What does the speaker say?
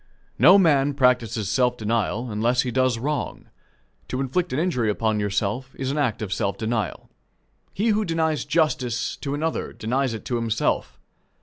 No man practices self denial unless he does wrong. To inflict an injury upon yourself is an act of self denial. He who denies justice to another denies it to himself.